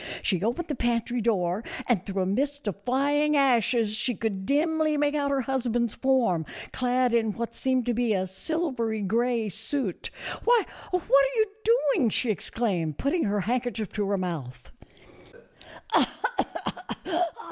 She opened the pantry door, and thioi. h a mist of flying ashes she could dimly make out her husband's form, clad in what seemed to be a silvery gray suit. " Why, what are you doing ?" she exclaimed, putting her handkerchief to her mouth.